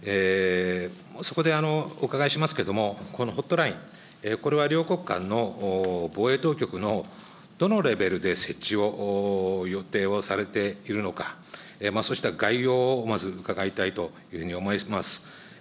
そこでお伺いしますけれども、このホットライン、これは両国間の防衛当局のどのレベルで設置を予定をされているのか、そうした概要をまず伺いたいと思います。